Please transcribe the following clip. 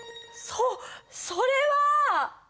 そそれは！